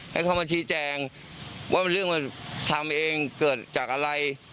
ให้เขามาชี้แจงว่าเรื่องมันทำเองเกิดจากอะไร